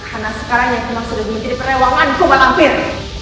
karena sekarang nyai kembang sudah menjadi perang